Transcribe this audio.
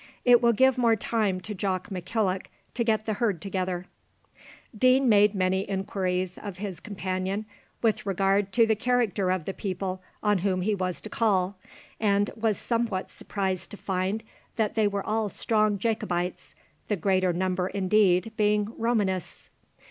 It will give more time to Jock McKillock to get the herd together." Deane made many inquiries of his companion with regard to the character of the people on whom he was to call, and he was somewhat surprised to find that they were all strong Jacobites, the greater number indeed being Romanists.